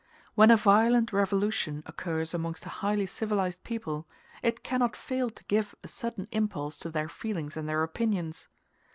When a violent revolution occurs amongst a highly civilized people, it cannot fail to give a sudden impulse to their feelings and their opinions.